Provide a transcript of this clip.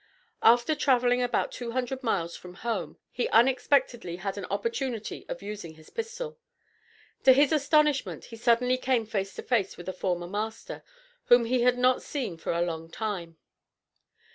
After traveling about two hundred miles from home he unexpectedly had an opportunity of using his pistol. To his astonishment he suddenly came face to face with a former master, whom he had not seen for a long time.